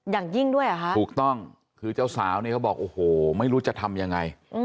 อย่างยิ่งด้วยเหรอคะถูกต้องคือเจ้าสาวเนี่ยเขาบอกโอ้โหไม่รู้จะทำยังไง